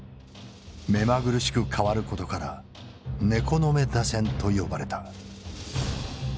目まぐるしく変わることから猫の目打線と呼ばれた。